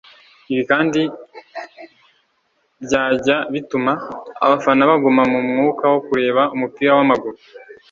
Ibi kandi byajya bituma abafana baguma mu mwuka wo kureba umupira w’amaguru